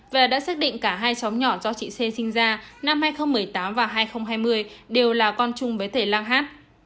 và đã xác định cả hai xóm nhỏ do chị xê sinh ra năm hai nghìn một mươi tám và hai nghìn hai mươi đều là con chung với thầy lang hát